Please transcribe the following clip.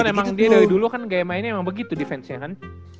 yang dia dari dulu kan gamenya emang begitu defense nya kan